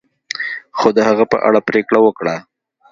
خو د هغه په اړه پریکړه وکړه.